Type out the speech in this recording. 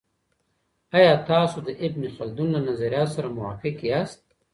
آیا تاسو د ابن خلدون له نظریاتو سره موافق یاست؟